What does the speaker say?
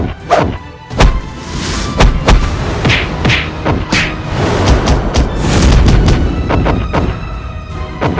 aku akan membuatmu mati